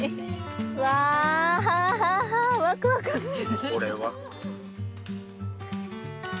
うわワクワクする。